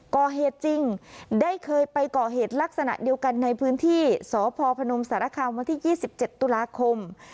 ก่อเหตุจริงได้เคยไปก่อเหตุลักษณะเดียวกันในพื้นที่สพพนมสารคามวันที่๒๗ตุลาคม